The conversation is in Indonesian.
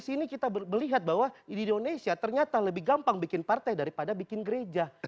di sini kita melihat bahwa di indonesia ternyata lebih gampang bikin partai daripada bikin gereja